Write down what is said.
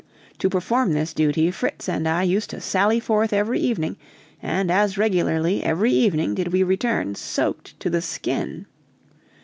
To perform this duty Fritz and I used to sally forth every evening, and as regularly every evening did we return soaked to the skin.